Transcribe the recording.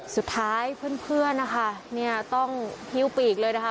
สุดท้ายเพื่อนนะคะเนี่ยต้องฮิ้วปีกเลยนะคะ